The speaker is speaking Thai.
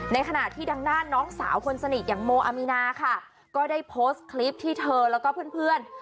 ในขณะที่ดังน่านน้องสาวคนสนิทโมอัมินาค่ะก็ได้โพสต์คลิปที่เธอแล้วก็เพื่อน